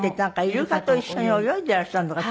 イルカと一緒に泳いでいらっしゃるのが。